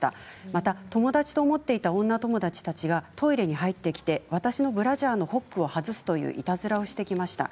また友達と思っていた女友達たちがトイレに入ってきて私のブラジャーのホックを外すといういたずらをしてきました。